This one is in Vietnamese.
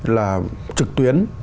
là trực tuyến